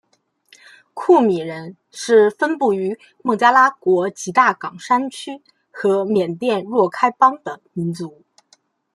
库米人是分布于孟加拉国吉大港山区和缅甸若开邦的民族。